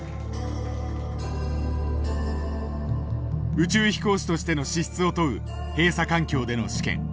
宇宙飛行士としての資質を問う閉鎖環境での試験。